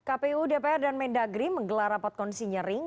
kpu dpr dan mendagri menggelar rapat kondisi nyering